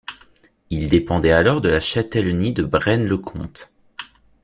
Il dépendait alors de la châtellenie de Braine-le-Comte.